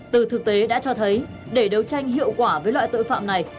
từ thực tế đã cho thấy để đấu tranh hiệu quả với loại tội phạm này